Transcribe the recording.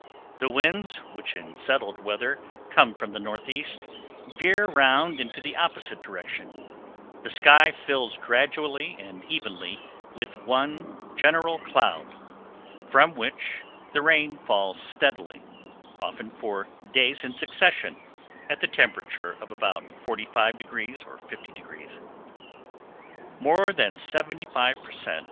The winds, which in settled weather come from the northwest, veer round into the opposite direction, the sky fills gradually and evenly with one general cloud, from which, the rain falls steadily, often for days in succession, at a temperature of about 45° or 50°. More than seventy five per cent.